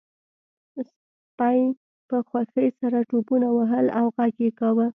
سپي په خوښۍ سره ټوپونه وهل او غږ یې کاوه